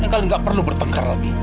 kalian gak perlu bertengkar lagi